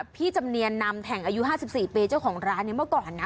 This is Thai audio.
จำเนียนนำแถ่งอายุ๕๔ปีเจ้าของร้านเนี่ยเมื่อก่อนนะ